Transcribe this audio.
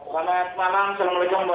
selamat malam assalamualaikum